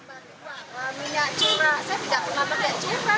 minyak curah saya tidak pernah pakai cuma